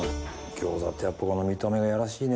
餃子ってやっぱこの見た目がやらしいね